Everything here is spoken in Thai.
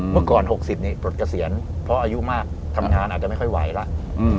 เมื่อก่อน๖๐นี่ปลดเกษียณเพราะอายุมากทำงานอาจจะไม่ค่อยไหวแล้ว